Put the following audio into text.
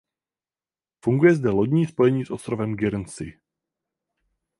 Funguje zde lodní spojení s ostrovem Guernsey.